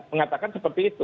mengatakan seperti itu